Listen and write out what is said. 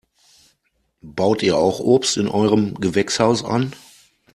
Baut ihr auch Obst in eurem Gewächshaus an?